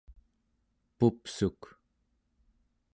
pupsuk